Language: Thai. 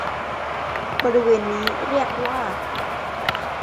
บริเวณนี้เรียกว่า